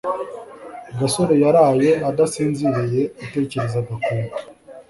gasore yaraye adasinziriye atekereza gakwego